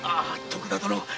徳田殿